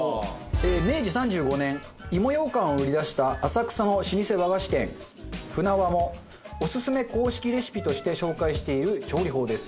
明治３５年いもようかんを売り出した浅草の老舗和菓子店舟和もオススメ公式レシピとして紹介している調理法です。